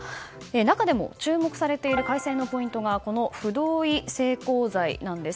中でも注目されている改正のポイントがこの不同意性交罪です。